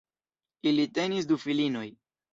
Ili tenis du filinoj.